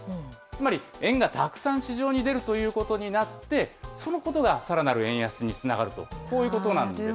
つまり円がたくさん市場に出るということになって、そのことがさらなる円安につながると、こういうことなんです。